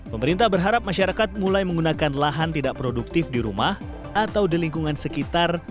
pemerintah berharap masyarakat mulai menggunakan lahan tidak produktif di rumah atau di lingkungan sekitar